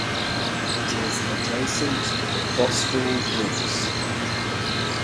It is adjacent to Bostall Woods.